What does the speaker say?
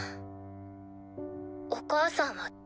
お母さんはどう？